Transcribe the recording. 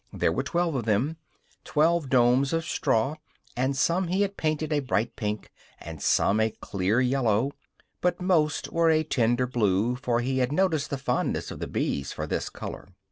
There were twelve of them, twelve domes of straw; and some he had painted a bright pink, and some a clear yellow, but most were a tender blue, for he had noticed the fondness of the bees for this color.